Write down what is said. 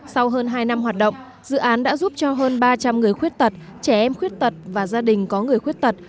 sau hơn hai năm hoạt động dự án đã giúp cho hơn ba trăm linh người khuyết tật trẻ em khuyết tật và gia đình có người khuyết tật